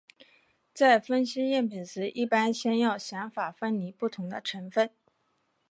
在分析样品时一般先要想法分离不同的成分。